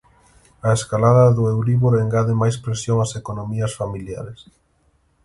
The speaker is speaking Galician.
A escalada do euríbor engade máis presión ás economías familiares.